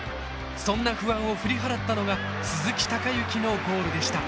そんな不安を振り払ったのが鈴木隆行のゴールでした。